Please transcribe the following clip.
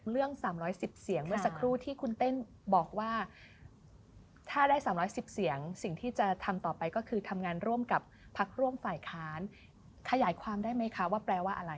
เรื่อง๓๑๐เสียงเมื่อสักครู่ที่คุณเต้นบอกว่าถ้าได้๓๑๐เสียงสิ่งที่จะทำต่อไปก็คือทำงานร่วมกับพักร่วมฝ่ายค้านขยายความได้ไหมคะว่าแปลว่าอะไร